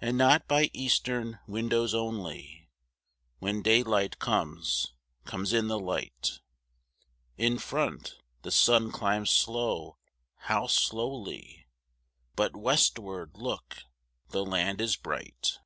And not by eastern windows only, When daylight comes, comes in the light; In front the sun climbs slow, how slowly! But westward, look, the land is bright!